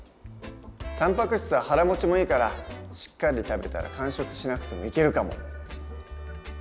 たんぱく質は腹もちもいいからしっかり食べたら間食しなくてもいけるかも。